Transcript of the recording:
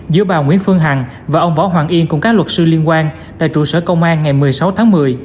giữa bà nguyễn phương hằng và ông võ hoàng yên cùng các luật sư liên quan tại trụ sở công an ngày một mươi sáu tháng một mươi